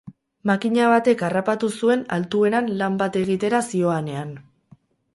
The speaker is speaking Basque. Makina batek harrapatu zuen, altueran lan bat egitera zihoanean.